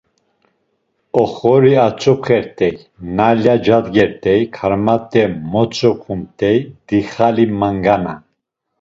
Oxori atzopxert̆ey; nayla cadgert̆ey; karmat̆e motzopxumt̆ey; dixali, mangana…